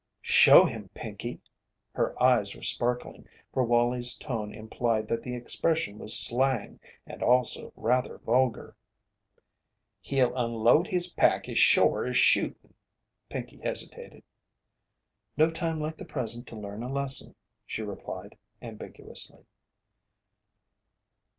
"Show him, Pinkey." Her eyes were sparkling, for Wallie's tone implied that the expression was slang and also rather vulgar. "He'll unload his pack as shore as shootin'." Pinkey hesitated. "No time like the present to learn a lesson," she replied, ambiguously.